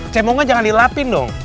cemongan jangan dilapin dong